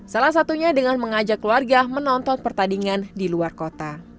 salah satunya dengan mengajak keluarga menonton pertandingan di luar kota